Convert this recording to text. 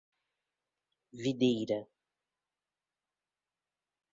Videira